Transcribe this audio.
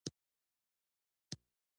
سیمه ایزه همکارۍ د پرمختګ لامل ګرځي.